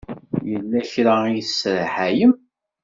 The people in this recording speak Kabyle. Yella kra i tesraḥayem?